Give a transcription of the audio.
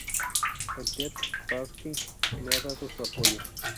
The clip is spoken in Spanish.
El Tea Party le ha dado su apoyo.